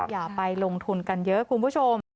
อย่าไปลงทุนกันเยอะคุณผู้ชม